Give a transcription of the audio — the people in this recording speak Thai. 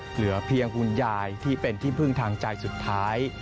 เหลือเพียงคุณยายที่เป็นที่พึ่งทางใจสุดท้าย